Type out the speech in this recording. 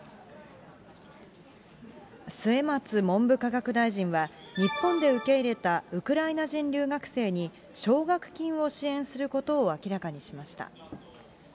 末松文部科学大臣は、日本で受け入れたウクライナ人留学生に、奨学金を支援することを明らかにしました。